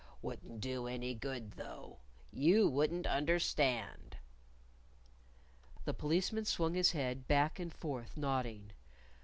Wouldn't do any good, though. You wouldn't understand." The Policeman swung his head back and forth, nodding.